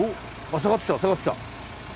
下がってきた下がってきた。